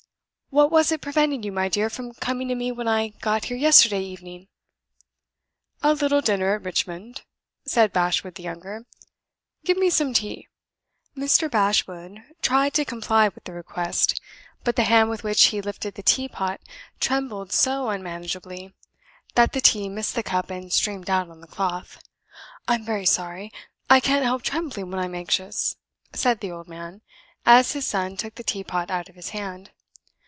What was it prevented you, my dear, from coming to me when I got here yesterday evening?" "A little dinner at Richmond," said Bashwood the younger. "Give me some tea." Mr. Bashwood tried to comply with the request; but the hand with which he lifted the teapot trembled so unmanageably that the tea missed the cup and streamed out on the cloth. "I'm very sorry; I can't help trembling when I'm anxious," said the old man, as his son took the tea pot out of his hand.